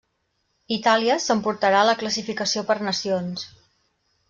Itàlia s'emportarà la classificació per nacions.